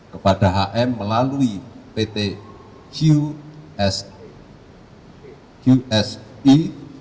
kepada hm melalui pt qsae